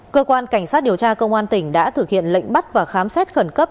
cơ quan cảnh sát điều tra công an tỉnh đã thực hiện lệnh bắt và khám xét khẩn cấp